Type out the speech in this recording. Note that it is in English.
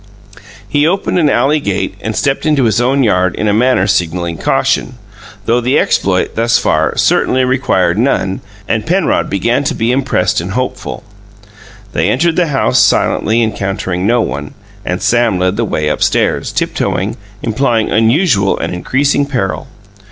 He opened an alley, gate and stepped into his own yard in a manner signalling caution though the exploit, thus far, certainly required none and Penrod began to be impressed and hopeful. They entered the house, silently, encountering no one, and Sam led the way upstairs, tiptoeing, implying unusual and increasing peril.